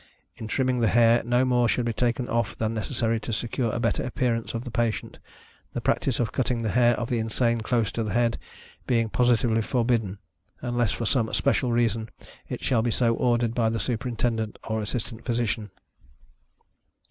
In trimming the hair, no more should be taken off than necessary to secure a better appearance of the patientâ€"the practice, of cutting the hair of the insane close to the head, being positively forbidden, unless, for some special reason, it shall be so ordered by the Superintendent or Assistant Physician.